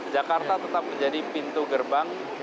jakarta tetap menjadi pintu gerbang